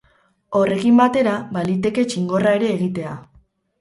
Horrekin batera, baliteke txingorra ere egitea.